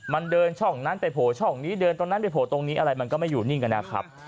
มันเดินช่องนั้นไปโผล่ช่องนี้เดินตรงนั้นไปโผล่ตรงนี้อะไรมันก็ไม่อยู่นิ่งกันนะครับ